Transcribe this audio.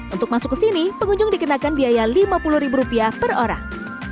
untuk masuk ke sini pengunjung dikenakan biaya lima puluh ribu rupiah per orang